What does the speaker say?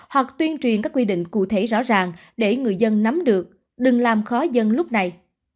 hoặc tuyên truyền các quy định cụ thể rõ ràng để người dân nắm được đừng làm khó dân lúc này